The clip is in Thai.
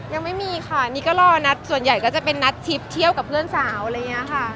ยังไม่มีค่ะนี่ก็รอนัดส่วนใหญ่ก็จะเป็นนัดทริปเที่ยวกับเพื่อนสาวอะไรอย่างนี้ค่ะ